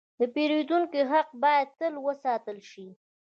د پیرودونکو حق باید تل وساتل شي.